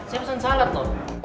saya pesen salad loh